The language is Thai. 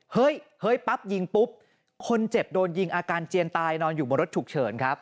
เฮ้ยเฮ้ยปั๊บยิงปุ๊บคนเจ็บโดนยิงอาการเจียนตายนอนอยู่บนรถฉุกเฉินครับ